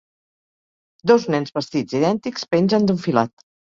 Dos nens vestits idèntics pengen d'un filat.